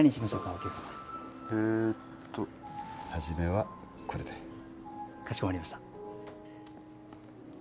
お客様えと初めはこれでかしこまりました